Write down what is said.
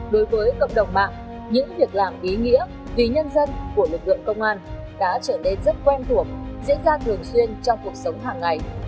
đối với cộng đồng mạng những việc làm ý nghĩa vì nhân dân của lực lượng công an đã trở nên rất quen thuộc diễn ra thường xuyên trong cuộc sống hàng ngày